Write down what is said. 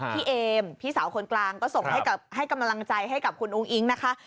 เอมพี่สาวคนกลางก็ส่งให้กำลังใจให้กับคุณอุ้งอิ๊งนะคะ